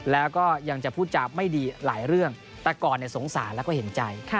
แล้วก็ยังจะพูดจาไม่ดีหลายเรื่องแต่ก่อนสงสารแล้วก็เห็นใจ